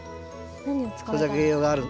それだけ栄養がある。